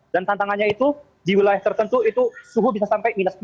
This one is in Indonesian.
dan tantangannya itu di wilayah tertentu itu suhu bisa sampai minus empat